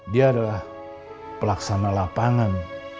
dia adalah pelaksana lapangan